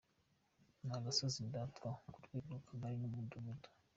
NAgasozi Ndatwa: ku rwego rwAkagari nUmudugudu.